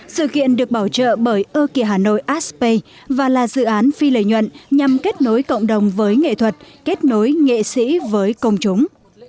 sự kiện được bảo trợ bởi ơ kìa hà nội aspe và là dự án phi lợi nhuận nhằm kết nối cộng đồng với nghệ thuật kết nối nghệ sĩ với công chúng